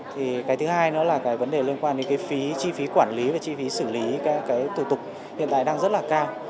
thì cái thứ hai nữa là cái vấn đề liên quan đến cái phí chi phí quản lý và chi phí xử lý các cái thủ tục hiện tại đang rất là cao